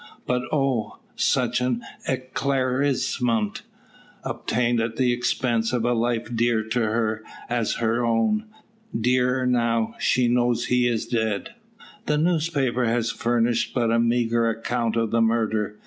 But, oh! such an eclaircissement! Obtained at the expense of a life dear to her as her own dearer now she knows he is dead! The newspaper has furnished but a meagre account of the murder.